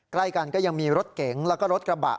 ใกล้กันก็ยังมีรถเก๋งแล้วก็รถกระบะ